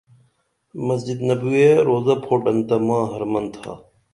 مسجد نبویہ روزہ پُھوٹن تہ ماں حرمن تھا